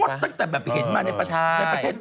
น้ำโฮดตะกั้นไปเห็นมาในประเทศ